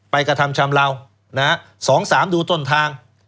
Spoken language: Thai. ไปกระทำชำเลานะครับสองสามดูต้นทาง